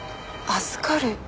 預かる？